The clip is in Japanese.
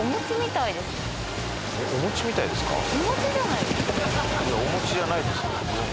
いやお餅じゃないですよ。